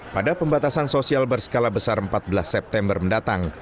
pada pembatasan sosial berskala besar empat belas september mendatang